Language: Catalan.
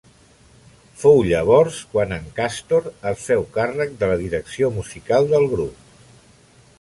Fou llavors quan en Càstor es féu càrrec de la direcció musical del grup.